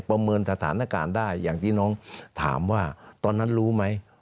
เมินสถานการณ์ได้อย่างที่น้องถามว่าตอนนั้นรู้ไหม